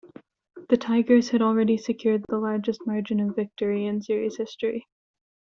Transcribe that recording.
The Tigers had already secured the largest margin of victory in series history.